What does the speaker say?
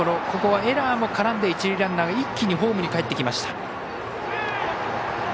ここはエラーも絡んで一塁ランナーが一気にホームにかえってきました。